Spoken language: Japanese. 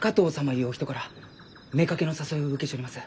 ゆうお人から妾の誘いを受けちょります。